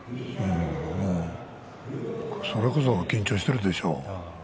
それこそ緊張しているでしょう。